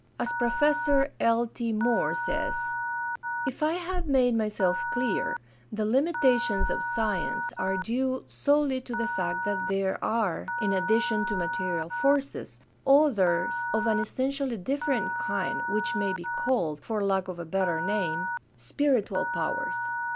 As Professor L. T. More says: If I have made myself clear, the limitations of science are due solely to the fact that there are, in addition to material forces, others of an essentially different kind which may be called, for lack of a better name, 450 GUIDE TO STUDY OF CHRISTIAN RELIGION spiritual powers.